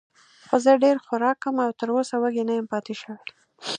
خو زه ډېر خوراک کوم او تراوسه وږی نه یم پاتې شوی.